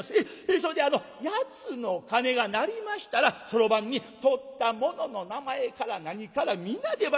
それであの八つの鐘が鳴りましたらそろばんに盗った者の名前から何から皆出ます。